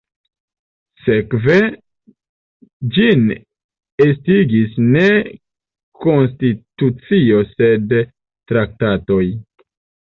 Sekve, ĝin estigis ne konstitucio sed traktatoj.